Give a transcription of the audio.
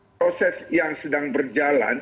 proses yang sedang berjalan